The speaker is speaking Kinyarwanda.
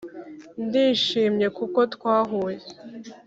ndishimye kuko twahuye...